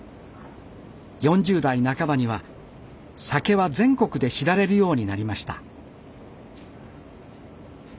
４０代半ばには酒は全国で知られるようになりました。